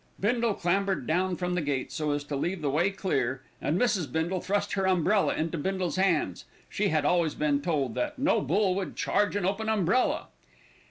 Bindle clambered down from the gate so as to leave the way clear, and Mrs. Bindle thrust her umbrella into Bindle's hands. She had always been told that no bull would charge an open umbrella.